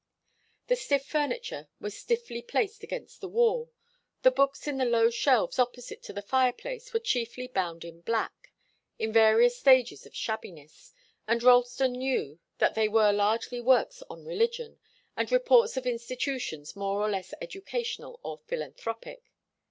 The stiff furniture was stiffly placed against the wall. The books in the low shelves opposite to the fireplace were chiefly bound in black, in various stages of shabbiness, and Ralston knew that they were largely works on religion, and reports of institutions more or less educational or philanthropic.